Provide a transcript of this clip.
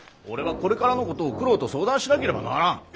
俺はこれからのことを九郎と相談しなければならん。